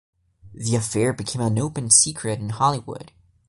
The affair became an open secret in Hollywood.